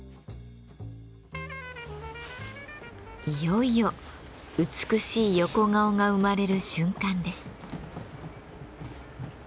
いよいよ美しい横顔が生まれる瞬間です。